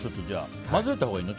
混ぜたほうがいいの？